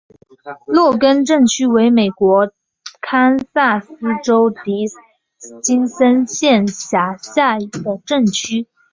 洛根镇区为美国堪萨斯州迪金森县辖下的镇区。